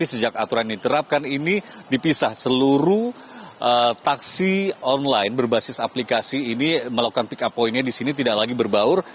setiap aturan yang diterapkan ini dipisah seluruh taksi online berbasis aplikasi ini melakukan pika poinnya di sini tidak lagi berbaur